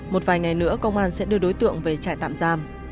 một vài ngày nữa công an sẽ đưa đối tượng về trại tạm giam